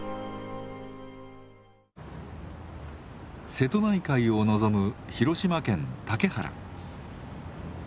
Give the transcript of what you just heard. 瀬戸内海を臨む広島県・竹原。